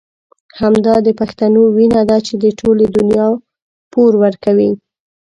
همدا د پښتنو وينه ده چې د ټولې دنيا پور ورکوي.